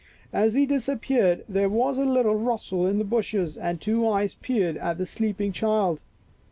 As he disappeared there was a little rustle in the bushes and two eyes peered at the sleeping child.